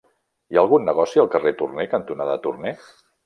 Hi ha algun negoci al carrer Torné cantonada Torné?